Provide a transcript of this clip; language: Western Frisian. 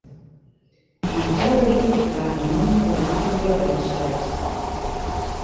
Nei fjouwer jier waard de mûne wer bûten wurking steld.